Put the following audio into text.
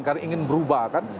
karena ingin berubah kan